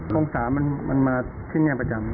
สงสารมันมาที่นี่ประจำ